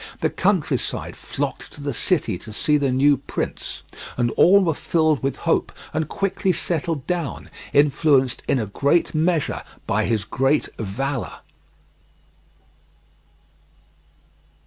The countryside flocked to the city to see the new prince, and all were filled with hope and quickly settled down, influenced in a great measure by his great valour.